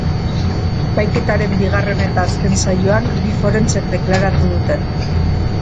Epaiketaren bigarren eta azken saioan bi forentsek deklaratu dute.